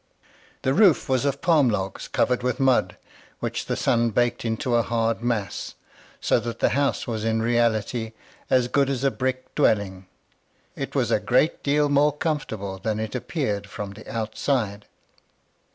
The roof was of palm logs, covered with mud, which the sun baked into a hard mass, so that the house was in reality as good as a brick dwelling. It was a great deal more comfortable than it appeared from the outside.